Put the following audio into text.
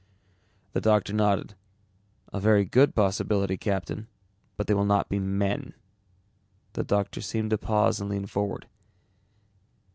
The doctor nodded. "A very good possibility, Captain, but they will not be men." The doctor seemed to pause and lean forward.